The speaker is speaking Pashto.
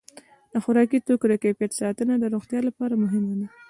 د خوراکي توکو د کیفیت ساتنه د روغتیا لپاره مهمه ده.